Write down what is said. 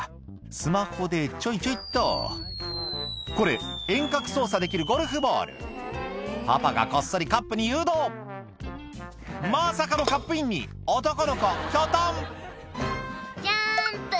「スマホでちょいちょいっと」これ遠隔操作できるゴルフボールパパがこっそりカップに誘導まさかのカップインに男の子きょとん「ジャンプ！